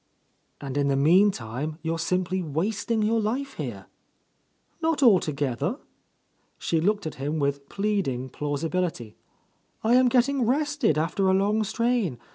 "And in the meantime, you are simply wasting your life here." "Not altogether. She looked at him with pleading plausibility. "I am getting rested after a long strain.